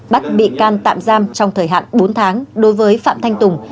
bắt bị can tạm giam trong thời hạn bốn tháng đối với phạm thanh tùng